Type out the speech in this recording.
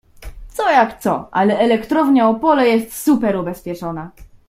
Co jak co, ale elektrownia Opole jest super ubezpieczona.